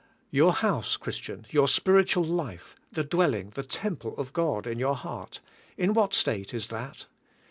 Your house. Christian, your spiritual life, the dwelling, the temple of God in your heart, — in what state is that?